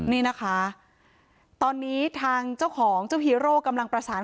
นี่นะคะตอนนี้ทางเจ้าของเจ้าฮีโร่กำลังประสาน